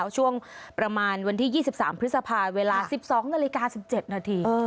ช่วงประมาณวันที่๒๓พฤษภาเวลา๑๒นาฬิกา๑๗นาที